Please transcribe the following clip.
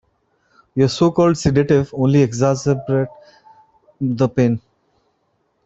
Your so-called sedative only exacerbates the pain.